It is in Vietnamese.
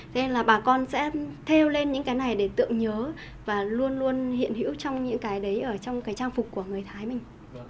thế nên là bà con sẽ theo lên những cái này để tượng nhớ và luôn luôn hiện hữu trong những cái đấy ở trong cái trang phục của người thái mình